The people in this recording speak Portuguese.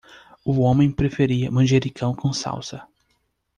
O homem preferia manjericão com salsa.